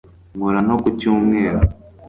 nkora no ku cyumweru